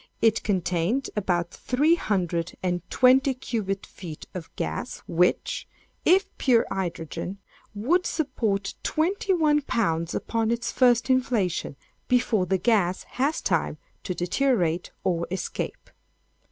It contained about three hundred and twenty cubic feet of gas, which, if pure hydrogen, would support twenty one pounds upon its first inflation, before the gas has time to deteriorate or escape.